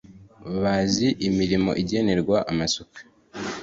Bazi imirimo igenerwa amasuka